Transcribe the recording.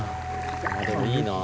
でもいいなあ。